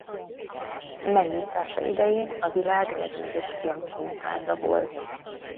Megnyitása idején a világ legnagyobb filmszínháza volt.